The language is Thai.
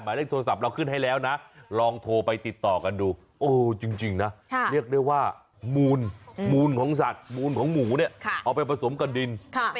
เลขโทรศัพท์เราขึ้นให้แล้วนะลองโทรไปติดต่อกันดูโอ้จริงนะเรียกได้ว่ามูลของสัตว์มูลของหมูเนี่ยเอาไปผสมกับดิน